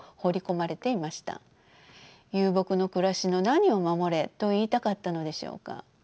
遊牧の暮らしの何を守れと言いたかったのでしょうか。